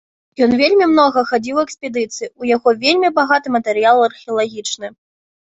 Ён вельмі многа хадзіў у экспедыцыі, у яго вельмі багаты матэрыял археалагічны.